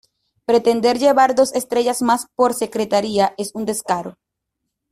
Pretender llevar dos estrellas más por secretaría es un descaro.